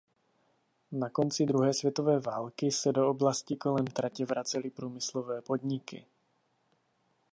Po konci druhé světové války se do oblasti kolem tratě vracely průmyslové podniky.